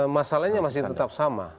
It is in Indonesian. masalahnya masih tetap sama